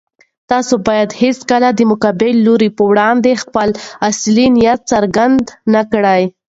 تاسو بايد هيڅکله د مقابل لوري په وړاندې خپل اصلي نيت څرګند نه کړئ.